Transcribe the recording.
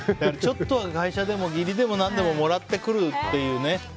会社でも義理でも何でももらってくるっていうね。